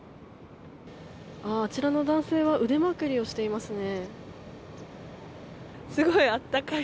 あちらの男性は腕まくりをしていますね。